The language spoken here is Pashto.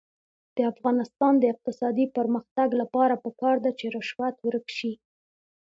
د افغانستان د اقتصادي پرمختګ لپاره پکار ده چې رشوت ورک شي.